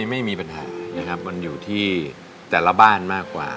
ไม่มีปัญหานะครับมันอยู่ที่แต่ละบ้านมากกว่า